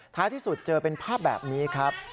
ท้ายที่สุดเจอเป็นภาพแบบนี้ครับ